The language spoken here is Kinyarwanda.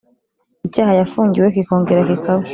icyaha yafungiwe kikongera kikaba